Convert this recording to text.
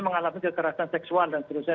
mengalami kekerasan seksual dan seterusnya